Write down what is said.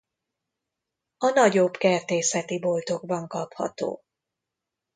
A nagyobb kertészeti boltokban kapható.